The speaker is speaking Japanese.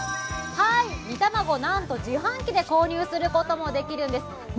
煮玉子、なんと自販機で購入することもできるんです。